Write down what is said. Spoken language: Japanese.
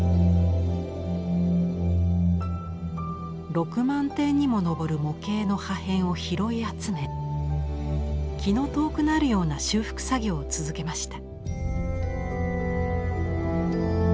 ６万点にも上る模型の破片を拾い集め気の遠くなるような修復作業を続けました。